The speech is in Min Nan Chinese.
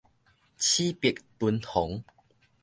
齒白脣紅